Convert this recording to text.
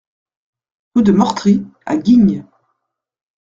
Rue de Mortry à Guignes